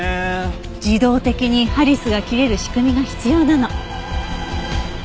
自動的にハリスが切れる仕組みが必要なの。